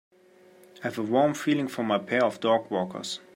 I have a warm feeling for my pair of dogwalkers.